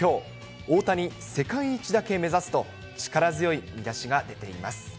大谷世界一だけ目指すと、力強い見出しが出ています。